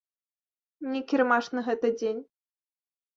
Не кірмашны гэты дзень.